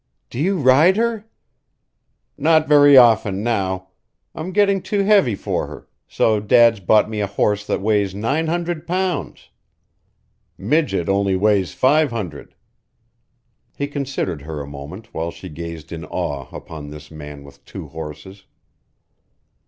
"Do you ride her?" "Not very often now. I'm getting too heavy for her, so Dad's bought me a horse that weighs nine hundred pounds. Midget only weighs five hundred." He considered her a moment while she gazed in awe upon this man with two horses.